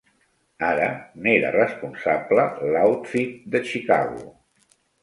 Ara n'era responsable l'Outfit de Chicago.